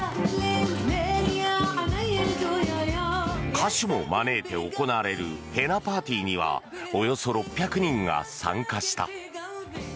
歌手も招いて行われるヘナ・パーティーにはおよそ６００人が参加した。